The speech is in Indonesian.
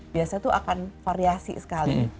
biasanya tuh akan variasi sekali